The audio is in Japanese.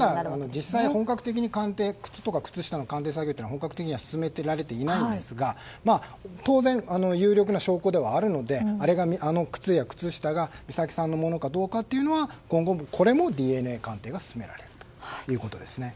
実際、靴とか靴下の鑑定作業は本格的には進められてはいないんですが当然、有力な証拠ではあるのであの靴や靴下が美咲さんのものかどうかはこれも今後ＤＮＡ鑑定が進められるということですね。